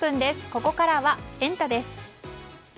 ここからはエンタ！です。